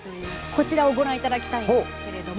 こちらをご覧いただきたいんですけれども。